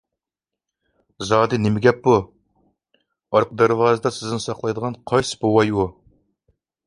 زادى نېمە گەپ بۇ؟ ئارقا دەرۋازىدا سىزنى ساقلايدىغان قايسى بوۋاي ئۇ؟